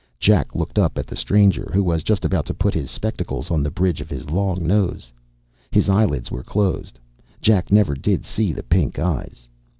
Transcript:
Jack looked up at the stranger, who was just about to put his spectacles on the bridge of his long nose. His eyelids were closed. Jack never did see the pink eyes.